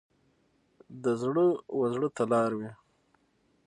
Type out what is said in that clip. د زړه و زړه لار وي.